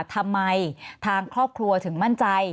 ทำไมทางครอบครัวกรัวถึงมั่นใจ